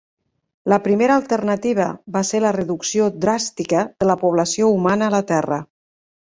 La primera alternativa va ser la reducció dràstica de la població humana a la Terra.